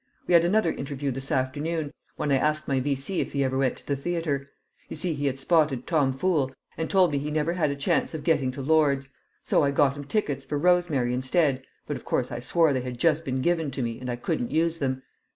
We had another interview this afternoon, when I asked my V.C. if he ever went to the theatre; you see he had spotted Tom Fool, and told me he never had a chance of getting to Lord's. So I got him tickets for 'Rosemary' instead, but of course I swore they had just been given to me and I couldn't use them.